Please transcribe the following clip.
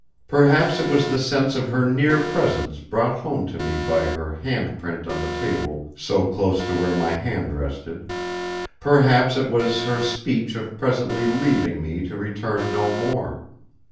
Perhaps it was the sense of her near presence brought home to me by her hand print on the table so close to where my hand rested; perhaps it was her speech of presently leaving me to return no more.